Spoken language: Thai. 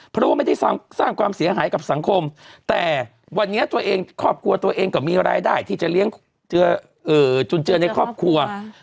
เพราะว่าไม่ได้สร้างความเสียหายกับสังคมแต่วันนี้ตัวเองครอบครัวตัวเองก็มีรายได้ที่จะเลี้ยงจุนเจือในครอบครัว